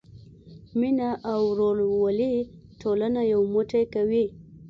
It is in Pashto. مینه او ورورولي ټولنه یو موټی کوي.